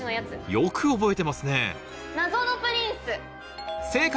よく覚えてますね正解！